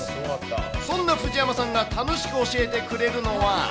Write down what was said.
そんな藤山さんが楽しく教えてくれるのは。